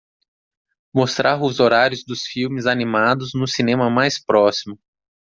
Mostrar os horários dos filmes animados no cinema mais próximo